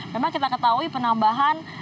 memang kita ketahui penambahan